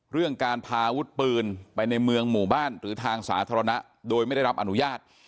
เรื่องการพาอาวุธปืนไปในเมืองหมู่บ้านหรือทางสาธารณะโดยไม่ได้รับอนุญาต